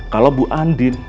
kalau bu andi